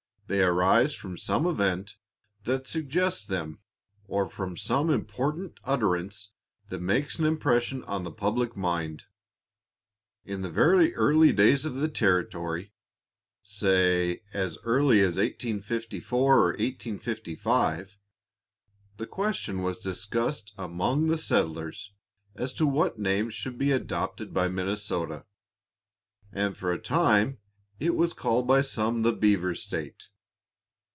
They arise from some event that suggests them, or from some important utterance that makes an impression on the public mind. In the very early days of the territory say, as early as 1854 or 1855, the question was discussed among the settlers as to what name should be adopted by Minnesota, and for a time it was called by some the "Beaver State."